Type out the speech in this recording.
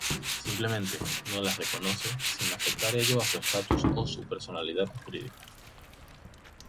Simplemente, no las reconoce, sin afectar ello a su estatus o personalidad jurídica.